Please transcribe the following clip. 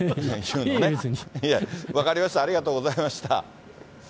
分かりました、ありがとうございました。